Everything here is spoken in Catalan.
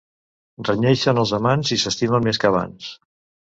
Renyeixen els amants i s'estimen més que abans.